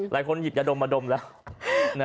หลายคนหยิบยาดมมาดมแล้ว